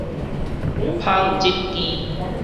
紡織機